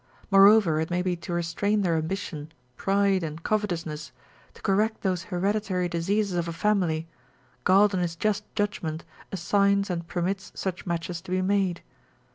Moreover it may be to restrain their ambition, pride, and covetousness, to correct those hereditary diseases of a family, God in his just judgment assigns and permits such matches to be made.